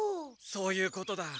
そういうことだ。